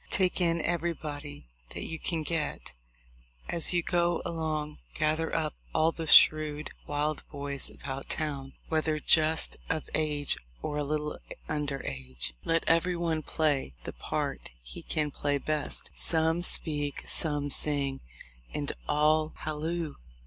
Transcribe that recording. Take in everybody that you can get ... As you go along gather up all the shrewd, wild boys about town, whether just of age or a little under age. Let every one play the part he can play best — some speak, some sing, and all halloo.